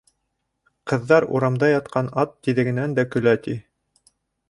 Ҡыҙҙар урамда ятҡан ат тиҙәгенән дә көлә, ти.